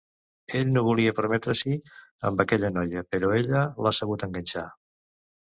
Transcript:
Ell no volia prometre-s'hi, amb aquella noia, però ella l'ha sabut enganxar.